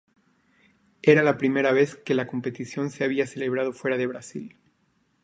Era la primera vez que la competición se había celebrado fuera de Brasil.